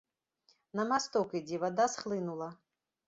На масток ідзі, вада схлынула.